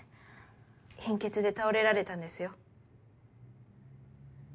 貧血で倒れられたんですよ。